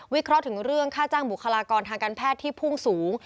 เคราะห์ถึงเรื่องค่าจ้างบุคลากรทางการแพทย์ที่พุ่งสูง